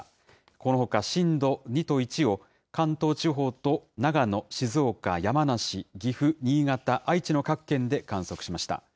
このほか震度２と１を関東地方と長野、静岡、山梨、岐阜、新潟、愛知の各県で観測しました。